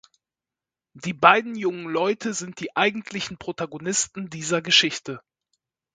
Die beiden jungen Leute sind die eigentlichen Protagonisten dieser Geschichte.